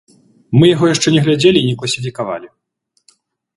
Мы яго яшчэ не глядзелі і не класіфікавалі.